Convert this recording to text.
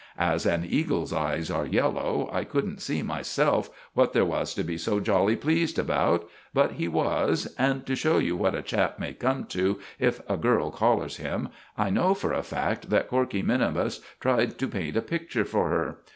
As an eagle's eyes are yellow, I couldn't see myself what there was to be so jolly pleased about; but he was, and, to show you what a chap may come to if a girl collars him, I know for a fact that Corkey minimus tried to paint a picture for her.